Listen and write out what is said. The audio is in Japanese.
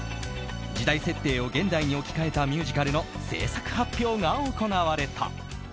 時代設定を現代に置き換えたミュージカルの制作発表が行われた。